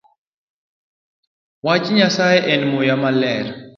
Wach Nyasaye en muya maler